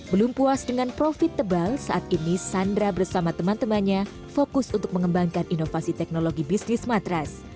belum puas dengan profit tebal saat ini sandra bersama teman temannya fokus untuk mengembangkan inovasi teknologi bisnis matras